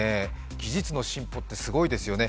技術の進歩ってすごいですよね。